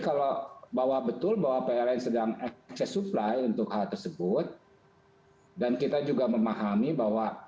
kalau bahwa betul bahwa pln sedang akses supply untuk hal tersebut dan kita juga memahami bahwa